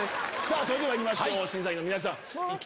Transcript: それでは行きましょう審査員の皆さん。よし！